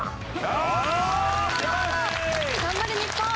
頑張れ日本！